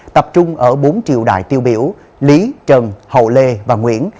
tập trung ở bốn triều đại tiêu biểu lý trần hậu lê và nguyễn